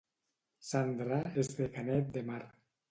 Sandra és de Canet de Mar